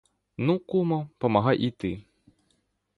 Ну, кумо, помагай і ти!